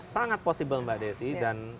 sangat possible mbak desi dan